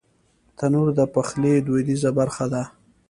تنور د پخلي دودیزه برخه ده